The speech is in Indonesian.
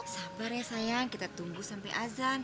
sabar ya sayang kita tunggu sampai azan